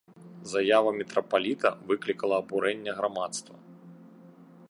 Заява мітрапаліта выклікала абурэнне грамадства.